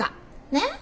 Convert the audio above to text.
ねっ？